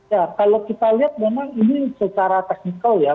ya kalau kita lihat memang ini secara teknikal ya